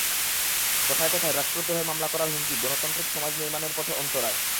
কথায় কথায় রাষ্ট্রদ্রোহের মামলা করার হুমকি গণতান্ত্রিক সমাজ নির্মাণের পথে অন্তরায়।